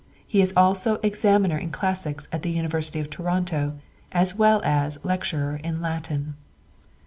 He is also examiner in classics at the University of Toronto, as well as lecturer in Latin.